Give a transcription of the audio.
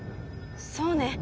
そうね！